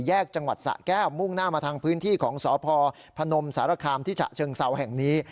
จังหวัดสะแก้วมุ่งหน้ามาทางพื้นที่ของสพพนมสารคามที่ฉะเชิงเซาแห่งนี้